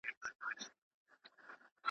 بيزو وان چي سو پناه د دېوال شا ته.